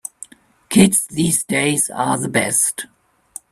Kids these days are the best.